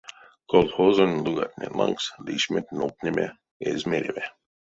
Колхозонь лугатнень лангс лишменть нолдтнеме эзь мереве.